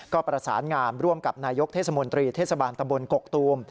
ก็ประสานงามร่วมกับนายกเทศมนตรีเทศบาลตะบนกกตูม